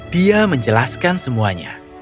dia menjelaskan semuanya